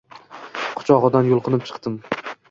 quchog`idan yulqinib chiqdim